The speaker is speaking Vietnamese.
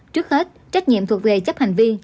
trước hết trách nhiệm thuộc về chấp hành vi